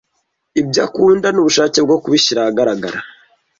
ibyo akunda n’ubushake bwo kubishyira ahagaragara